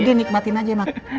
udah nikmatin aja makan